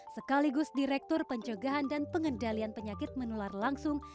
sekaligus direktur pencegahan dan pengendalian penyakit menular langsung